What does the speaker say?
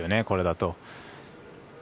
これだと。